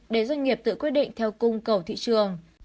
để doanh nghiệp tự quyết định theo cung cầu thị trường